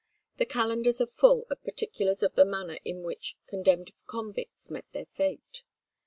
The calendars are full of particulars of the manner in which condemned convicts met their fate.